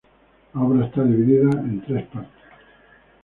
La obra está dividida en tres partes.